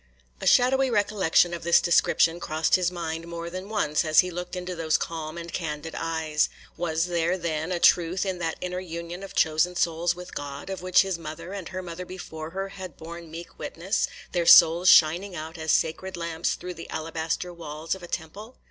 A shadowy recollection of this description crossed his mind more than once, as he looked into those calm and candid eyes. Was there, then, a truth in that inner union of chosen souls with God, of which his mother and her mother before her had borne meek witness,—their souls shining out as sacred lamps through the alabaster walls of a temple?